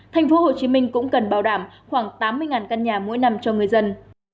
tp hcm cũng cần bảo đảm khoảng tám mươi căn nhà mỗi năm cho người dân